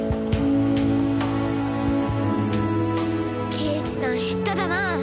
刑事さん下手だなぁ。